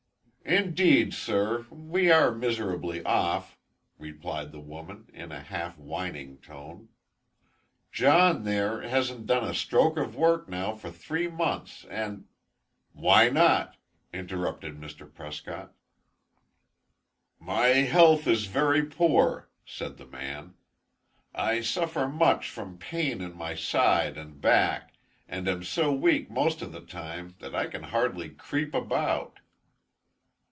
"Indeed, sir, and we are miserably off," replied the woman, in a half whining tone. "John, there, hasn't done a stroke of work now for three months; and " "Why not!" interrupted Mr. Prescott. "My health is very poor," said the man. "I suffer much from pain in my side and back, and am so weak most of the time, that I can hardly creep about."